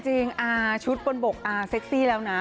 ชุดบนบกอาเซ็กซี่แล้วนะ